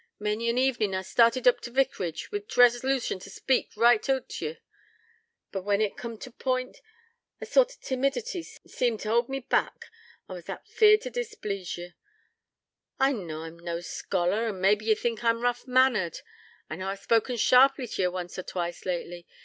Many an evenin' I've started oop t' vicarage, wi' t' resolution t' speak right oot t' ye; but when it coomed t' point, a sort o' timidity seemed t' hould me back, I was that feared t' displease ye. I knaw I'm na scholar, an' mabbe ye think I'm rough mannered. I knaw I've spoken sharply to ye once or twice lately.